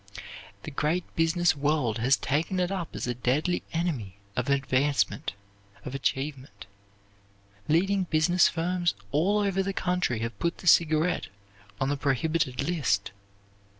The great business world has taken it up as a deadly enemy of advancement, of achievement. Leading business firms all over the country have put the cigarette on the prohibited list.